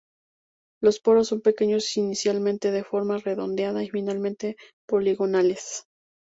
Los poros son pequeños inicialmente de forma redondeada y finalmente poligonales.